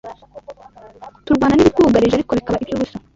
Turwana n’ibitwugarije ariko bikaba iby’ubusa